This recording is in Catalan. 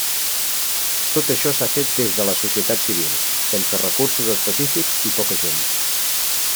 Tot això s'ha fet des de la societat civil, sense recursos específics i poca gent.